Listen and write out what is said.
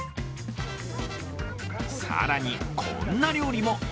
更に、こんな料理も。